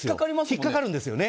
引っかかるんですよね。